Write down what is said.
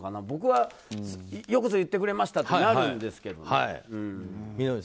僕はよくぞ言ってくれましたとなるんですけどね。